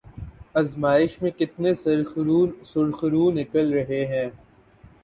آزمائش میں کتنے سرخرو نکل رہے ہیں۔